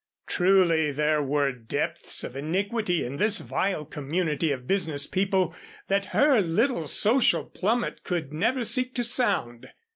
Truly there were depths of iniquity in this vile community of business people that her little social plummet could never seek to sound.